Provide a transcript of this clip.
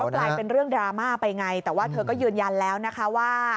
กลายเป็นเรื่องดราม่าไปไงแต่ว่าเธอก็ยืนยันแล้วนะคะว่า